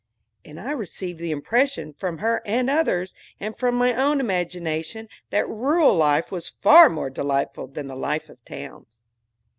And I received the impression, from her and others, and from my own imagination, that rural life was far more delightful than the life of towns.